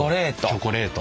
チョコレート。